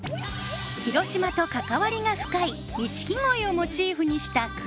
広島と関わりが深い錦鯉をモチーフにしたクリップ。